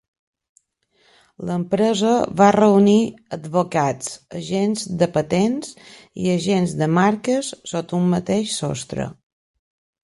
L'empresa va reunir advocats, agents de patents i agents de marques sota un mateix sostre.